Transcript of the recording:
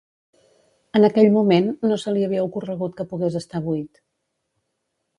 En aquell moment, no se li havia ocorregut que pogués estar buit.